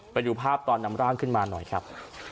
ไปดูภาพตอนนำร่างขึ้นมาหน่อยครับ